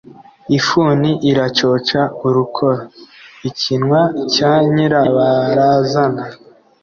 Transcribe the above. Ifuni iracoca urukoro-Ikinwa cya Nyirabarazana.